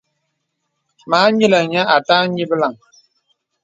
Mâ ǹyilaŋ nyə̀ à tâ ǹyìplàŋ.